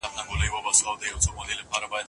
ملکیت د انسان د هڅو پایله ده.